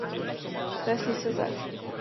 Vesnice zač.